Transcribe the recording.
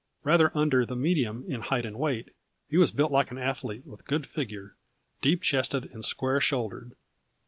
Rather under the medium in height and weight, he was built like an athlete, with good figure, deep chested and square shouldered.